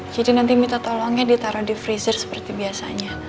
jadi nanti minta tolongnya ditaro di freezer seperti biasanya